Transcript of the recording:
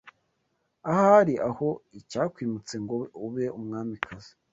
Ahari aho icyakwimitse ngo ube umwamikazi